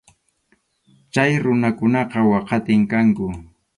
Chay runakunaqa waqatim kanku.